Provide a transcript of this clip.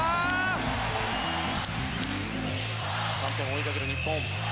３点を追いかける日本。